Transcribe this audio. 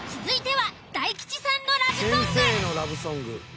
続いては大吉さんのラブソング。